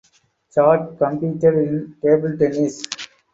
Chad competed in table tennis.